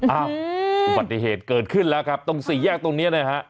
อุบัติเหตุเกิดขึ้นแล้วครับตรงสี่แยกตรงนี้นะฮะ